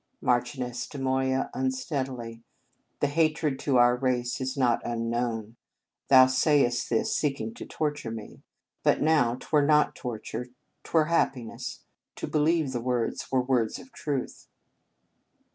Marchioness de Moya (unsteadity) . Thy hatred to our race is not un known. Thou sayest this, seeking to torture me. But know, \ were not torture, t were happiness, to believe thy words were words of truth.